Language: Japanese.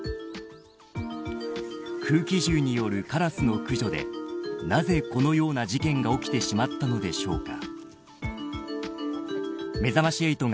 空気銃によるカラスの駆除でなぜこのような事件が起きてしまったのでしょうか。